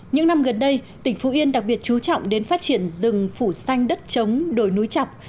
những năm gần đây tỉnh phú yên đặc biệt chú trọng đến phát triển rừng phủ xanh đất trống đồi núi chọc